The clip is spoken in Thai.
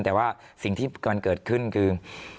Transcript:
แต่ว่าสิ่งที่มันเกิดขึ้นคือ